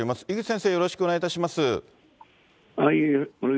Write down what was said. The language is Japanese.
井口先生、よろしくお願いいたします。